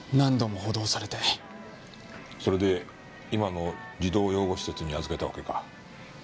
それで今の児童養護施設に預けたわけか。